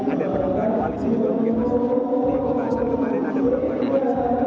ada penambahan koalisi juga mungkin mas di pembahasan kemarin ada beberapa nama koalisi